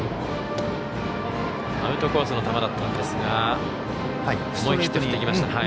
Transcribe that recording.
アウトコースの球だったんですが思い切って振っていきました。